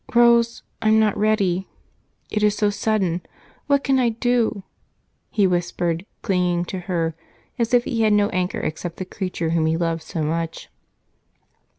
Rose, I'm not ready, it is so sudden. What can I do?" he whispered, clinging to her as if he had no anchor except the creature whom he loved so much.